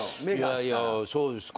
いやいやそうですか。